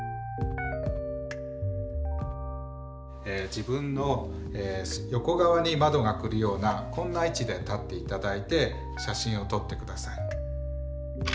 自分の横側に窓がくるようなこんな位置で立っていただいて写真を撮ってください。